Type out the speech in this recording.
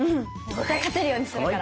絶対勝てるようにするから！